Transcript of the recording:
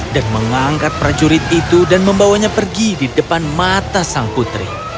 dan mengangkat prajurit itu dan membawanya pergi di depan mata sang putri